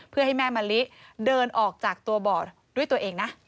เพื่อให้แม่มะลิเดินออกจากตัวบ่อด้วยตัวเองนะ